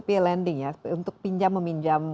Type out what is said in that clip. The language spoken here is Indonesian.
pe lending ya untuk pinjam meminjam